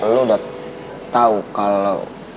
lo udah tau kalo